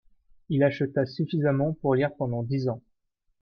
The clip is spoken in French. Il acheta suffisamment pour lire pendant dix ans.